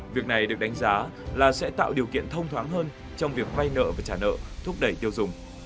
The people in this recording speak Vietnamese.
việc này được đánh giá là sẽ tạo điều kiện thông thoáng hơn trong việc vay nợ và trả nợ thúc đẩy tiêu dùng